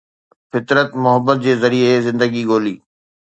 فطرت محبت جي ذريعي زندگي ڳولي